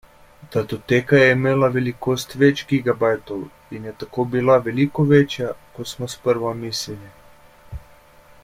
Datoteka je imela velikost več gigabajtov in je tako bila veliko večja, kot smo sprva mislili.